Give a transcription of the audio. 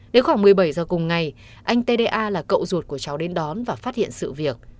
đến khoảng một mươi bảy giờ cùng ngày anh t d a là cậu ruột của cháu đến đón và phát hiện sự việc